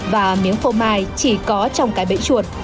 và miếng phô mai chỉ có trong cái bẫy chuột